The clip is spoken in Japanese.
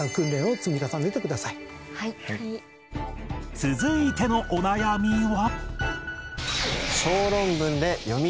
続いてのお悩みは